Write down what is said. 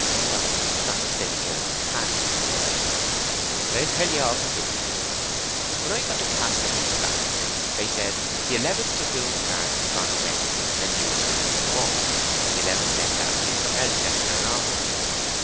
"No; not a steady girl like Fanny!" "I'll tell ye all particulars. When I got to Casterbridge Barracks, they said, 'The Eleventh Dragoon Guards be gone away, and new troops have come.' The Eleventh left last week for Melchester and onwards.